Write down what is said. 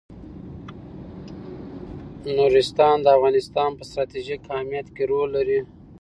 نورستان د افغانستان په ستراتیژیک اهمیت کې رول لري.